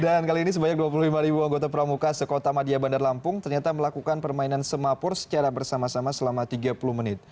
dan kali ini sebanyak dua puluh lima ribu anggota pramuka sekota madiabandar lampung ternyata melakukan permainan semapur secara bersama sama selama tiga puluh menit